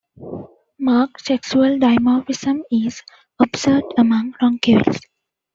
Marked sexual dimorphism is observed among ronquils.